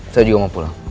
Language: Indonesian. saya juga mau pulang